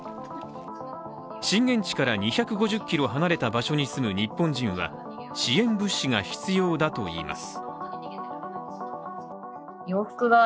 震源地から２５０ｋｍ離れた場所に住む日本人は支援物資が必要だといいます。